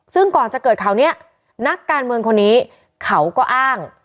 ซึ่งก่อนจะเกิดข่าวนี้นักการเมืองคนนี้เขาก็อ้าง